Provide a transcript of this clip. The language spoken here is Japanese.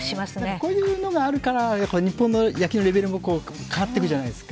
こういうのがあるから日本の野球のレベルも変わっていくじゃないですか。